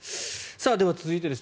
では、続いてです。